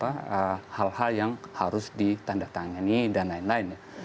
tentu kita perlu hal hal yang harus ditandatangani dan lain lain